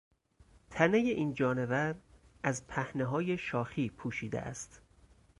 تنهی این جانور از پهنههای شاخی پوشیده است.